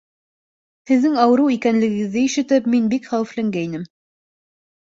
Һеҙҙең ауырыу икәнлегегеҙҙе ишетеп мин бик хәүефләнгәйнем.